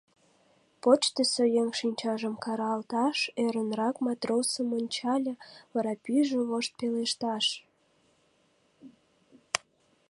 Почтысо еҥ шинчажым каралташ, ӧрынрак матросым ончале, вара пӱйжӧ вошт пелешташ: